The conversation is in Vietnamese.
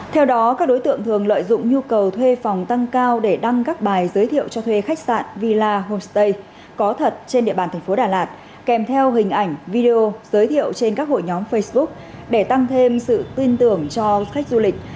theo đó các đối tượng thường lợi dụng nhu cầu thuê phòng tăng cao để đăng các bài giới thiệu cho thuê khách sạn villa homestay có thật trên địa bàn thành phố đà lạt kèm theo hình ảnh video giới thiệu trên các hội nhóm facebook để tăng thêm sự tin tưởng cho khách du lịch